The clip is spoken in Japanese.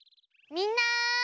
みんな！